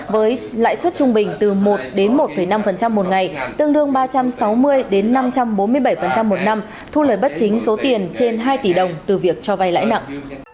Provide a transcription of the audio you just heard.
với lãi suất trung bình từ một đến một năm một ngày tương đương ba trăm sáu mươi năm trăm bốn mươi bảy một năm thu lời bất chính số tiền trên hai tỷ đồng từ việc cho vay lãi nặng